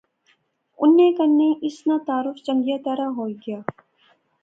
انیں کنے اس ناں تعارف چنگیا طرح ہوئی گیا